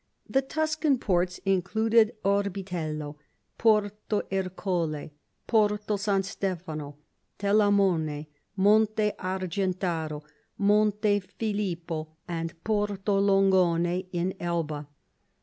The Tuscan ports included Orbitello, Porto Ercole, Porto San Stefano, Telamone, Monte Afgentaro, Monte Philippo, and Porto Longone in Elba.